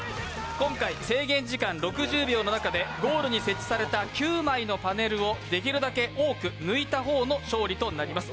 今回、制限時間６０秒の中でゴールに設置された９枚のパネルをできるだけ多く抜いた方の勝利となります。